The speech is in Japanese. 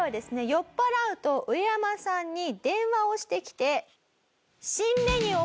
酔っ払うとウエヤマさんに電話をしてきて。